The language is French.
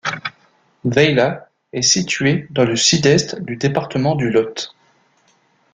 Vaylats est située dans le sud-est du département du Lot.